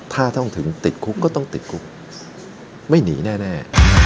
ถ้าต้องถึงติดคุกก็ต้องติดคุกไม่หนีแน่